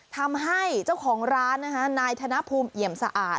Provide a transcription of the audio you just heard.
ทำให้เจ้าของร้านนะคะนายธนภูมิเอี่ยมสะอาด